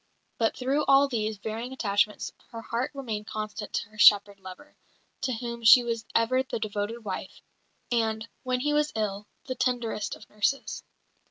But through all these varying attachments her heart remained constant to her shepherd lover, to whom she was ever the devoted wife, and, when he was ill, the tenderest of nurses.